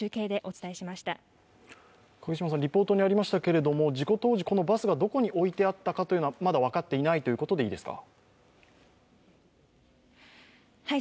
リポートにありましたけれども、事故当時、このバスがどこに置いてあったかということはまだ分かっていないということでいいですか。